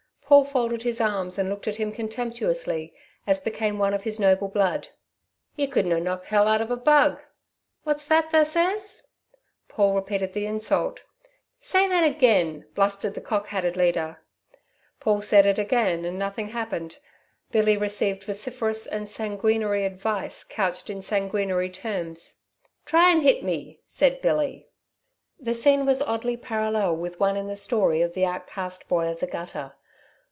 Paul folded his arms and looked at him contemptuously, as became one of his noble blood. "You could no' knock hell out of a bug." "What's that tha says?" Paul repeated the insult. "Say that agen!" blustered the cocked hatted leader. Paul said it again and nothing happened, Billy received vociferous and sanguinary advice couched in sanguinary terms. "Try and hit me!" said Billy. The scene was oddly parallel with one in the story of the outcast boy of the gutter.